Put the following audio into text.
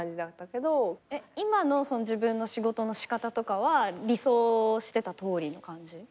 今の自分の仕事の仕方とかは理想してたとおりの感じ？